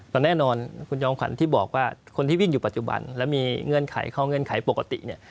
แต่แน่นอนคุณจอมขวัญที่บอกว่าคนที่วิ่งอยู่ปัจจุบันแล้วมีเงื่อนไขข้อเงื่อนไขปกติเนี่ย